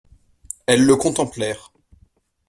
Elles le contemplèrent.